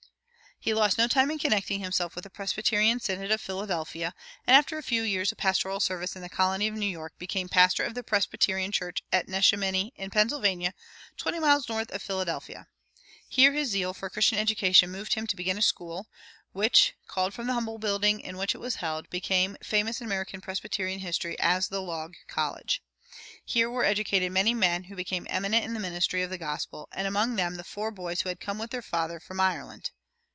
He lost no time in connecting himself with the Presbyterian synod of Philadelphia, and after a few years of pastoral service in the colony of New York became pastor of the Presbyterian church at Neshaminy, in Pennsylvania, twenty miles north of Philadelphia. Here his zeal for Christian education moved him to begin a school, which, called from the humble building in which it was held, became famous in American Presbyterian history as the Log College. Here were educated many men who became eminent in the ministry of the gospel, and among them the four boys who had come with their father from Ireland.